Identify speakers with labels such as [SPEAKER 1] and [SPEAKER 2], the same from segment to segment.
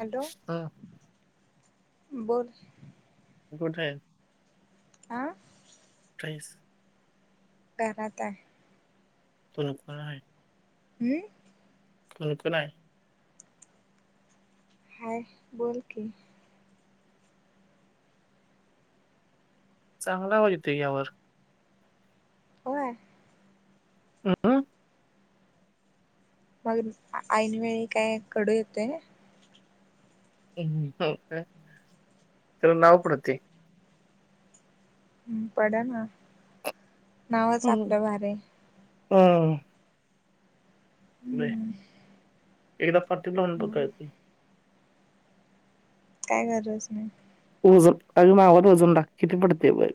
[SPEAKER 1] Hello
[SPEAKER 2] हं,
[SPEAKER 1] बोल.
[SPEAKER 2] कुठेआहे?
[SPEAKER 1] आ!
[SPEAKER 2] [inaudible]
[SPEAKER 1] कानात काय.
[SPEAKER 2] हेडफोन आहे.
[SPEAKER 1] हम्म.
[SPEAKER 2] कोण-कोण आहे.
[SPEAKER 1] हाय बोल कि.
[SPEAKER 2] चांगला आवाज येतोय की यावर.
[SPEAKER 1] होय.
[SPEAKER 2] [unintelligible]
[SPEAKER 1] मग ऐनवेळी काय कडू येतोय.
[SPEAKER 2] तेला नाव पडतय.
[SPEAKER 1] [inaudible] ना नावच आपलं भारी हाय.
[SPEAKER 2] हम्म.
[SPEAKER 1] हम्म
[SPEAKER 2] [unintelligible]
[SPEAKER 1] काय करतोस मग.
[SPEAKER 2] माझ्या नावात वजन टाक. किती पडतंय बग.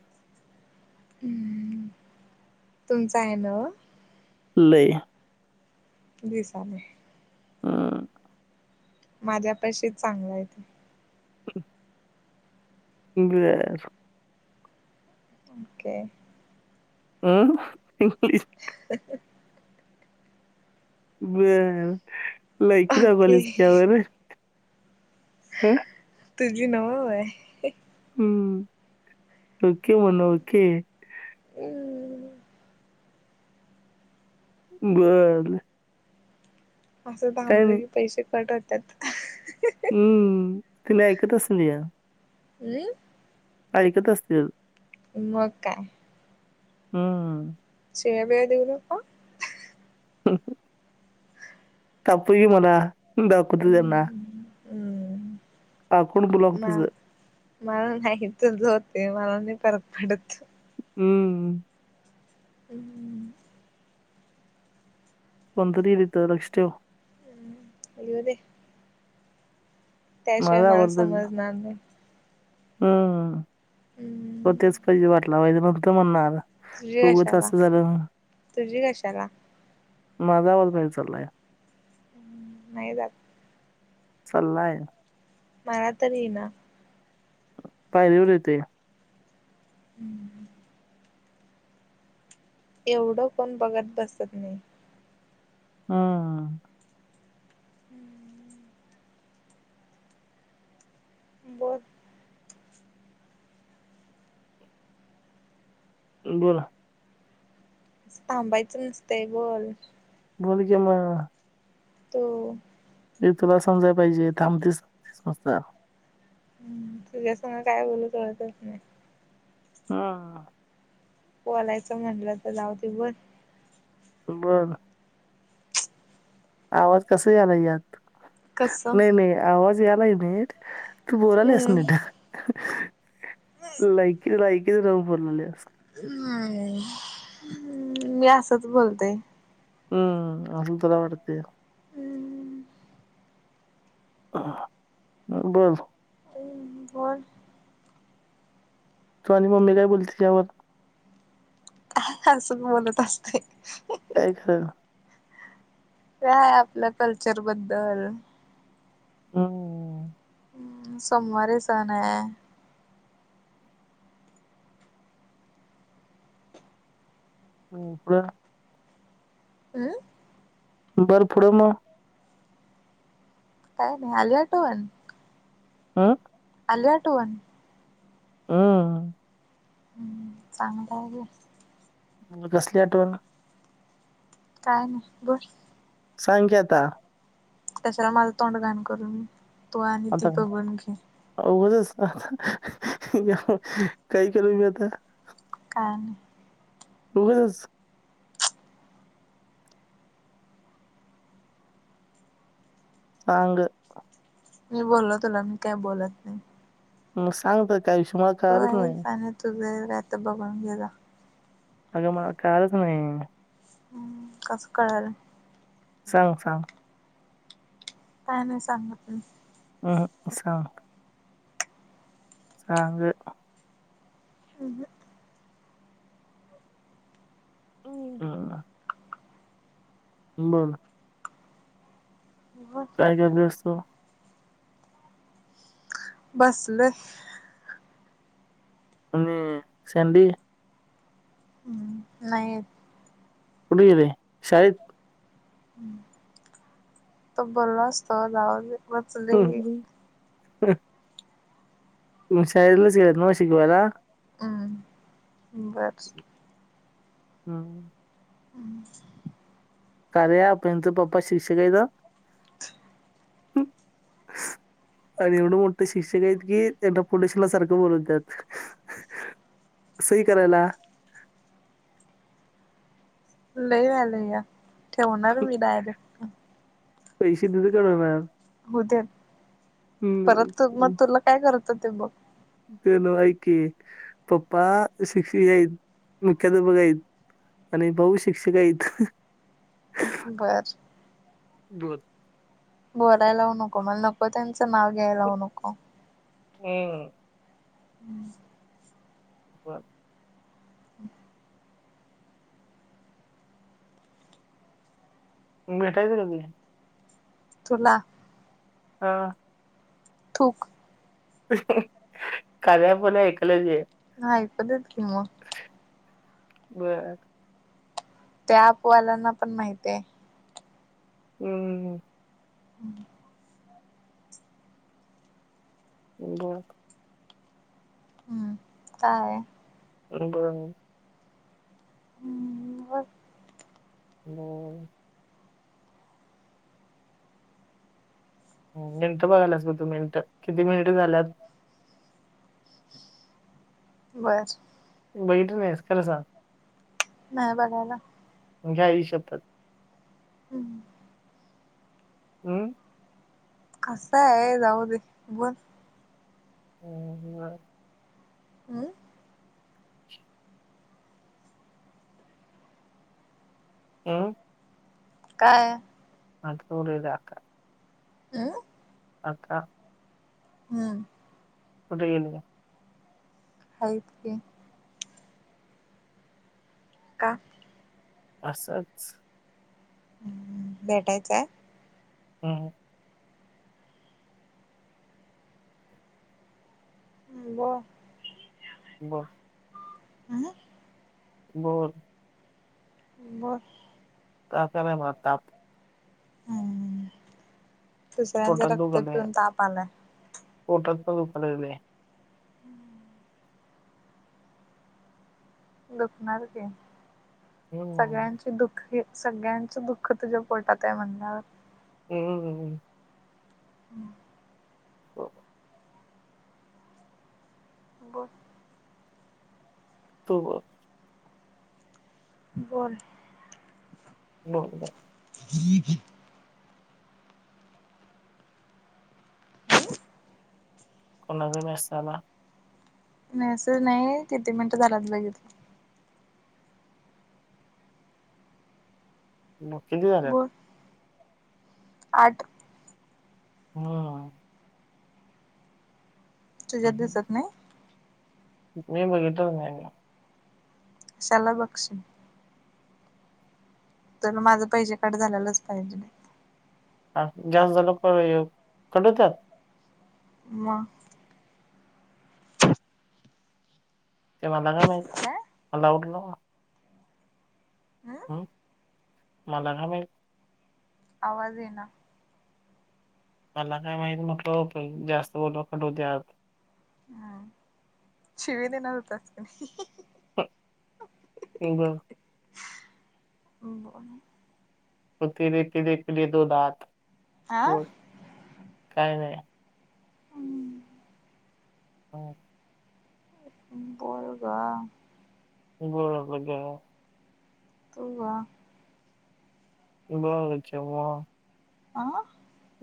[SPEAKER 1] ह तुमच आहे नव्हं.
[SPEAKER 2] लई.
[SPEAKER 1] दिसालय.
[SPEAKER 2] हम.
[SPEAKER 1] माझ्या पाशी चांगल आहे ते.
[SPEAKER 2] ह्. बर.
[SPEAKER 1] ओके.
[SPEAKER 2] हम्म ब लई
[SPEAKER 1] ओके
[SPEAKER 2] [unintelligible] हम
[SPEAKER 1] तुझी नव्ह होय?
[SPEAKER 2] हम्म ओके म्हण ओके.
[SPEAKER 1] [unintelligible]
[SPEAKER 2] बर
[SPEAKER 1] असं
[SPEAKER 2] काय
[SPEAKER 1] थांबलं की पैसे कट होतात.
[SPEAKER 2] हम्म, तुम्ही ऐकतच नाही आ.
[SPEAKER 1] नाई.
[SPEAKER 2] ऐकत असतील.
[SPEAKER 1] मग काय.
[SPEAKER 2] हम्म.
[SPEAKER 1] तिला लय देऊ नको अ.
[SPEAKER 2] [unintelligible] ताप ही म्हणा, दाखवते त्यांना.
[SPEAKER 1] हम्म हम्म
[SPEAKER 2] आखूड ब्लॉक तुझं
[SPEAKER 1] ना, मला नाही तसं होते मला नाही परत अडत.
[SPEAKER 2] हम्म
[SPEAKER 1] [unintelligible]
[SPEAKER 2] कोणतर येईल इथं लक्ष ठेव.
[SPEAKER 1] [unintelligible] येउदे. त्याशिवाय मला समजणार नाही.
[SPEAKER 2] हम्म, हो
[SPEAKER 1] हम्म
[SPEAKER 2] तेच पाहिजे वाट लावयला फक्त म्हणू नका.
[SPEAKER 1] तुझी कशाला, तुझी कशाला?
[SPEAKER 2] माझा आवाज बाहेर चाललाय.
[SPEAKER 1] नाही दात.
[SPEAKER 2] चाल्लाय.
[SPEAKER 1] मला तरी ये ना.
[SPEAKER 2] पायरीवर येते.
[SPEAKER 1] हम्म ह. एवढं कोण बघत बसत नाही.
[SPEAKER 2] हम.
[SPEAKER 1] हम्म. बत
[SPEAKER 2] बला
[SPEAKER 1] थांबायचं नसतय बोल.
[SPEAKER 2] बोल क्या म
[SPEAKER 1] त
[SPEAKER 2] मी तुला समजाय पाहिजे थांबतेस ांते समजत.
[SPEAKER 1] हम्म तुझ्यासना काय बोलू कळतच नाही.
[SPEAKER 2] हा.
[SPEAKER 1] बोलायचं म्हणलं तर जाऊ ते बर.
[SPEAKER 2] हो ना. आवाज कसा याला यात
[SPEAKER 1] कसं
[SPEAKER 2] नाही नाही आवाज यालाही नाही. तू बोलालेस
[SPEAKER 1] हम्म.
[SPEAKER 2] निडा लायकी लायकी नाऊ बोोलली असस.
[SPEAKER 1] हम् मी असंच बोलते.
[SPEAKER 2] हम्म असल तुला वाटतया.
[SPEAKER 1] हम्म.
[SPEAKER 2] ब बोल.
[SPEAKER 1] तहं बोल.
[SPEAKER 2] तू आणि मम्मी काय बोलते यावर.
[SPEAKER 1] असं बोलत असते.
[SPEAKER 2] काय खरं.
[SPEAKER 1] काय आपल्या कल्चर बद्दल.
[SPEAKER 2] ह.
[SPEAKER 1] हम् सोमवारे स ना आहे.
[SPEAKER 2] [unintelligible]
[SPEAKER 1] अ.
[SPEAKER 2] बर पुुढ मग.
[SPEAKER 1] काय नाही आली आठवण.
[SPEAKER 2] हम.
[SPEAKER 1] आली आठवण
[SPEAKER 2] हम.
[SPEAKER 1] हम्म चांगलं आहे ग.
[SPEAKER 2] कसली आठवण.
[SPEAKER 1] काय नाही बस.
[SPEAKER 2] सांग की आता.
[SPEAKER 1] त्याच्याला माझं तोंड घाण करून तू आणि ती
[SPEAKER 2] आता
[SPEAKER 1] बघून घे.
[SPEAKER 2] उगाच आता काही केल मी आता.
[SPEAKER 1] काय नाही.
[SPEAKER 2] उगचच. सांग.
[SPEAKER 1] मी बोललो तुला मी काही बोलत नाही.
[SPEAKER 2] म सांगत काय विषय मला
[SPEAKER 1] तू
[SPEAKER 2] कळलंच नाही.
[SPEAKER 1] आहेस आणि तुझं काय तर बघुन घे जा.
[SPEAKER 2] अगं मला कळलंच नाही.
[SPEAKER 1] हम्म कस कळल.
[SPEAKER 2] सांग सांग!
[SPEAKER 1] काय नाही सांगत.
[SPEAKER 2] सांग. सांग.
[SPEAKER 1] ह ह
[SPEAKER 2] हम् बर
[SPEAKER 1] बोल
[SPEAKER 2] काय करल्यास तू.
[SPEAKER 1] बसलोय.
[SPEAKER 2] आणि संडी.
[SPEAKER 1] हम् नाही.
[SPEAKER 2] कुठे गेली शाळेत.
[SPEAKER 1] तो बोललं असतं जाऊ दे वाचलं घे.
[SPEAKER 2] ह मग शाळेतनच गेल्यात नव्ह शिकवाला
[SPEAKER 1] हम्म बस.
[SPEAKER 2] हम्म
[SPEAKER 1] [unintelligible]
[SPEAKER 2] कार्या ॲप यांचे पप्पा शिक्षक आहेत हं.
[SPEAKER 1] [unintelligible]
[SPEAKER 2] आणि एवढं मोठं शिक्षक आहेत की त्यांना [unintelligible] पुलेशला सारखं बोलवत्यात सई करायला
[SPEAKER 1] [unintelligible] लइ व्हॅलया ठेवणार मी डायरेक्ट
[SPEAKER 2] पैसे‌ [unintelligible] दि कर मॅम
[SPEAKER 1] हुदेत परत [unintelligible] मग तुला काय करतो ते बघ
[SPEAKER 2] ते नव्ह ऐकी पप्पा शिक्षक हायत‌ मुख्याध्यापक हायत आणि भऊ शिक्षक हायत
[SPEAKER 1] बर
[SPEAKER 2] बोल [unintelligible]
[SPEAKER 1] बोलाय लावु नको मला नको त्यांचं नाव घ्याय लावू नको
[SPEAKER 2] हम् [unintelligible]
[SPEAKER 1] हम्म [inaudible]
[SPEAKER 2] ब भेटायचं कधी
[SPEAKER 1] तुला
[SPEAKER 2] आ
[SPEAKER 1] थूक
[SPEAKER 2] कद्या पण ऐकलंच आहे [unintelligible]
[SPEAKER 1] ह [unintelligible] ऐकू देत की मग
[SPEAKER 2] बर
[SPEAKER 1] त्या ॲप वाल्यांना पण माहित्याय
[SPEAKER 2] हम्म
[SPEAKER 1] हम् [inaudible]
[SPEAKER 2] बर
[SPEAKER 1] हम्म काय
[SPEAKER 2] बरोबर
[SPEAKER 1] हम्म [unintelligible]
[SPEAKER 2] बोल. मिंत बगाल्यास तू मिनिटं किती मिनिट झाल्यात.
[SPEAKER 1] बर.
[SPEAKER 2] बघिटली नहीस खरं सांग.
[SPEAKER 1] नाय बगायला.
[SPEAKER 2] घे आई ची शप्पथ.
[SPEAKER 1] हम्म
[SPEAKER 2] अं
[SPEAKER 1] कसय जाऊ दे बोल.
[SPEAKER 2] हम् [unintelligible]
[SPEAKER 1] अं
[SPEAKER 2] अं
[SPEAKER 1] काय?
[SPEAKER 2] आणि तोळका [unintelligible]
[SPEAKER 1] अं
[SPEAKER 2] अक्का
[SPEAKER 1] हम्म
[SPEAKER 2] कुठे गेले?
[SPEAKER 1] हाईत की. का?
[SPEAKER 2] असंच.
[SPEAKER 1] ह भेटायचं आहे.
[SPEAKER 2] ह ह
[SPEAKER 1] बोल
[SPEAKER 2] बोल.
[SPEAKER 1] आह
[SPEAKER 2] बोल.
[SPEAKER 1] बोल.
[SPEAKER 2] काय करायला आता?
[SPEAKER 1] दुसऱ्यांचा
[SPEAKER 2] पोटात
[SPEAKER 1] रक्त
[SPEAKER 2] दुखले
[SPEAKER 1] पिऊन ताप आलाय.
[SPEAKER 2] पोटात पण दुखालगलंय.
[SPEAKER 1] दुखणार कि
[SPEAKER 2] हम्म
[SPEAKER 1] सगळ्यांची दुखी. सगळ्यांचं दुःख तुझे पोटात आहे म्हणल्यावर.
[SPEAKER 2] हम्मम्
[SPEAKER 1] हम्म
[SPEAKER 2] हो.
[SPEAKER 1] बोल.
[SPEAKER 2] हो हो.
[SPEAKER 1] बोल.
[SPEAKER 2] बोल ग.
[SPEAKER 1] [unintelligible]
[SPEAKER 2] कोणाचा मेसेज आला.
[SPEAKER 1] मेसेज नाही किती मिनिट झाल्यात बघितलं.
[SPEAKER 2] मग किती झालेत.
[SPEAKER 1] बोल आठ.
[SPEAKER 2] हम
[SPEAKER 1] तुझ्यात
[SPEAKER 2] हम्म.
[SPEAKER 1] दिसत नाही.
[SPEAKER 2] मी बघितच नाही.
[SPEAKER 1] कशाला बघशील. तुला माझं पैसे काट झालेलाच पाहिजे.
[SPEAKER 2] हा जास्त झालं कॉल ह्यो, कट होत्यात?
[SPEAKER 1] मग
[SPEAKER 2] ते मला काय माहित? मला वाटलं
[SPEAKER 1] हम्म
[SPEAKER 2] [unintelligible] मला काय माहित?
[SPEAKER 1] आवाज येईना.
[SPEAKER 2] मला काय माहिती म्हटलं, जास्त बोलल्याव कट होतात.
[SPEAKER 1] हम्म, शिवी दे [unintelligible]
[SPEAKER 2] हा बर
[SPEAKER 1] ब
[SPEAKER 2] ओ तेरे पिले पिले दो दात.
[SPEAKER 1] आ?
[SPEAKER 2] काय नाही. [unintelligible]
[SPEAKER 1] बोल गं.
[SPEAKER 2] बोल गं.
[SPEAKER 1] तू बा
[SPEAKER 2] बघ जेव्हा
[SPEAKER 1] आ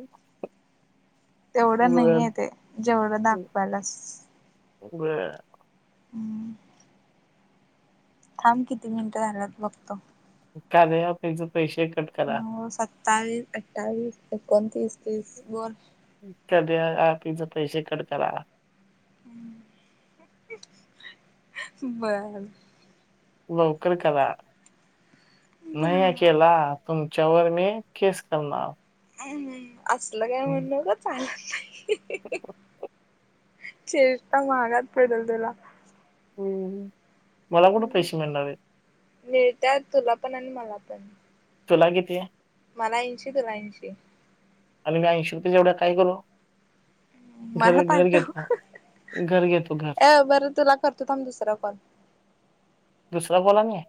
[SPEAKER 2] [unintelligible]
[SPEAKER 1] तेवढं नाही हाय, ते जेवढं दाखवायलास.
[SPEAKER 2] बर.
[SPEAKER 1] हम्म. थांब किती मिनिटं झाल्यात बघतो?
[SPEAKER 2] कार्य ऍप हीच पैसे कट करा.
[SPEAKER 1] नऊ सत्तावीस, अठ्ठावीस, एकोणतीस, तीस बोल.
[SPEAKER 2] सध्या आरतीचे पैसे कट करा.
[SPEAKER 1] बर.
[SPEAKER 2] लवकर करा. नाही हा
[SPEAKER 1] बर
[SPEAKER 2] केला तुम तुमच्या वर मी केस करणार.
[SPEAKER 1] हम्म आसल काय म्हनु नको? चालत नाही. [inaudible] चेष्टा महागात पडल तुला.
[SPEAKER 2] हम्म. मला कुठे
[SPEAKER 1] हम्
[SPEAKER 2] पैसे मिळणार आहेत
[SPEAKER 1] मिळत्यात तुला पण आणि मला पण.
[SPEAKER 2] तुला किती?
[SPEAKER 1] मला ऐंशी तुला ऐंशी.
[SPEAKER 2] आणि मी ऐंशी रुपयाच एवढ्या काय करू? घर घर घेतो. घर घेतो घर
[SPEAKER 1] अ बरं तुला करतो थांब, दुसरा कॉल.
[SPEAKER 2] दुसरा कॉल आणि